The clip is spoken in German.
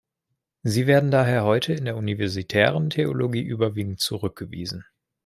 Sie werden daher heute in der universitären Theologie überwiegend zurückgewiesen.